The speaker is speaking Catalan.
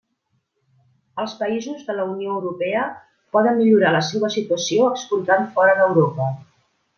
Els països de la Unió Europea poden millorar la seua situació exportant fora d'Europa.